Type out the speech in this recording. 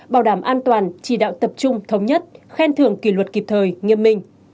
bảo đảm an toàn chỉ đạo tập trung thống nhất khen thưởng kỷ luật kịp thời nghiêm minh